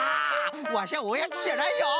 わしゃおやつじゃないよ。